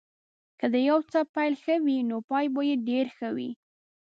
که د یو څه پيل ښه وي نو پای به یې ډېر ښه وي.